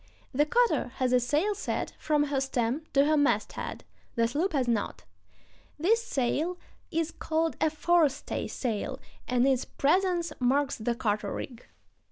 The cutter has a sail set from her stem to her masthead; the sloop has not. This sail is called a forestay sail, and its presence marks the cutter rig.